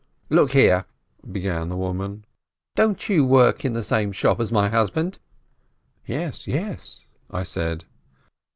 "Look here," began the woman, "don't you work in the same shop as my husband ?" "Yes, yes," I said.